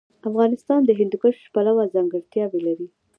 افغانستان د هندوکش پلوه ځانګړتیاوې لري.